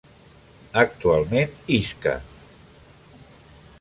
Actualment Isca!